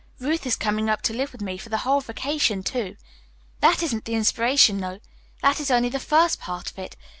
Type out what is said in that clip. "Ruth is coming up to live with me for the whole vacation, too. That isn't the inspiration, though. That is only the first part of it.